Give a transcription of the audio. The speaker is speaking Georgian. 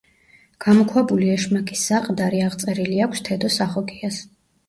გამოქვაბული „ეშმაკის საყდარი“ აღწერილი აქვს თედო სახოკიას.